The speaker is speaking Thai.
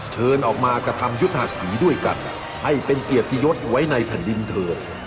เชิญออกมากระทำยุทธหาผีด้วยกันให้เป็นเกียรติยศไว้ในแผ่นดินเถิด